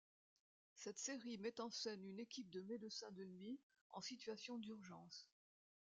Cette série met en scène une équipe de médecins de nuit en situation d'urgence.